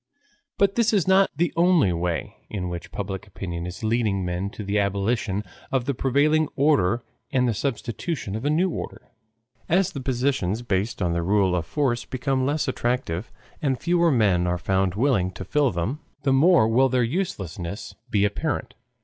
But this is not the only way in which public opinion is leading men to the abolition of the prevailing order and the substitution of a new order. As the positions based on the rule of force become less attractive and fewer men are found willing to fill them, the more will their uselessness be apparent.